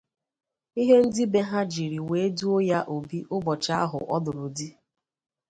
ihe ndị be ha jiri wee duo ya obi ụbọchị ahụ ọ lụrụ di